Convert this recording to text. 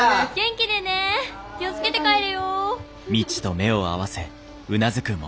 気を付けて帰れよ。